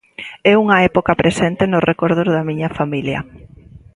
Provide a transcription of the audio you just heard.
É unha época presente nos recordos da miña familia.